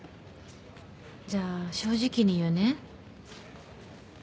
じゃあ正直に言うね。